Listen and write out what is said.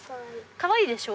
かわいいでしょ？